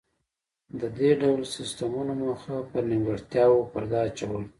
د دې ډول سیستمونو موخه پر نیمګړتیاوو پرده اچول و